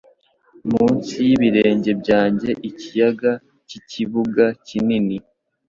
munsi y'ibirenge byanjye ikiyaga cyikibuga kinini